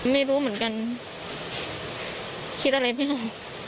ไม่รู้เหมือนกันคิดอะไรไม่ได้